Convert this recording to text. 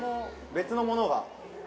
別のもの？